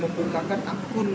di perusahaan seberikutnya